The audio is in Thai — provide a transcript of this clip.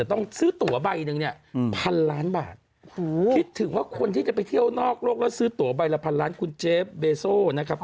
ต้องซื้อตัวใบหนึ่งเนี่ยพันล้านบาทคิดถึงว่าคนที่จะไปเที่ยวนอกโลกแล้วซื้อตัวใบละพันล้านคุณเจฟเบโซ่นะครับ